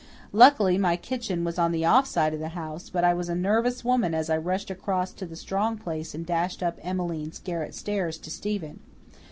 Luckily my kitchen was on the off side of the house, but I was a nervous woman as I rushed across to the Strong place and dashed up Emmeline's garret stairs to Stephen.